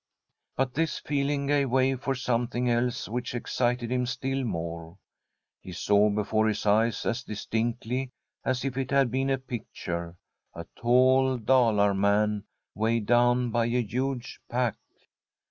But this feeling gave way for something else which excited him still more. He saw before his eyes, as distinctly as if it had been a picture, a tall Dalar man, weighed down by a huge pack.